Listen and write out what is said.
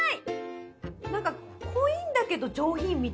濃いんだけど上品みたいな。